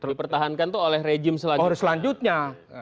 dipertahankan itu oleh rejim selanjutnya